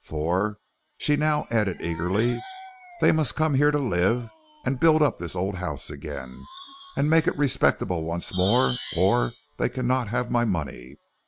For,' she now added eagerly, 'they must come here to live, and build up this old house again and make it respectable once more or they cannot have my money.